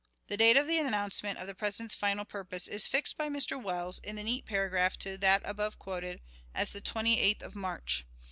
The date of the announcement of the President's final purpose is fixed by Mr. Welles, in the neat paragraph to that above quoted, as the 28th of March.